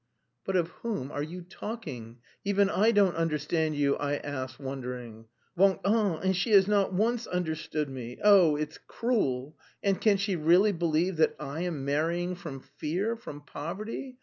"But of whom are you talking? Even I don't understand you!" I asked, wondering. "Vingt ans! And she has not once understood me; oh, it's cruel! And can she really believe that I am marrying from fear, from poverty?